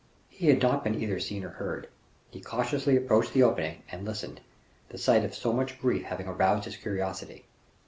He had not been either seen or heard. He cautiously approached the opening, and listened, the sight of so much grief having aroused his curiosity.